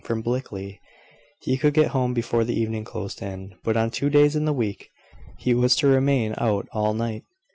From Blickley he could get home before the evening closed in; but on two days in the week he was to remain out all night.